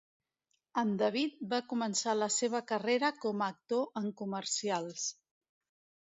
En David va començar la seva carrera com a actor en comercials.